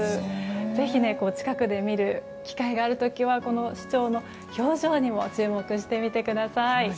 ぜひ近くで見る機会がある時はこの仕丁の表情にも注目してみてください。